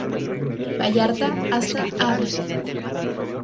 Vallarta" hasta "Av.